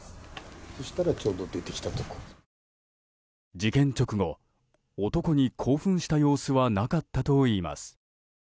事件直後、男に興奮した様子はなかったといいます。